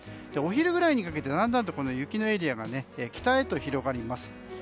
お昼ぐらいにかけてだんだんと雪のエリアが北へと広がります。